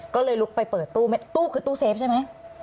ก็เลยลุกไปเปิดตู้คือตู้เซฟใช่ไหม